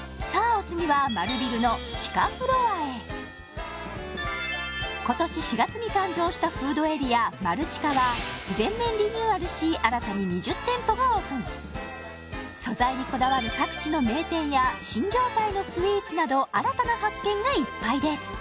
お次は丸ビルの地下フロアへ今年４月に誕生したフードエリアマルチカは全面リニューアルし新たに２０店舗がオープン素材にこだわる各地の名店や新業態のスイーツなど新たな発見がいっぱいです